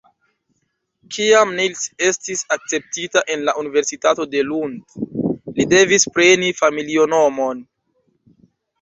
Kiam Nils estis akceptita en la Universitato de Lund, li devis preni familinomon.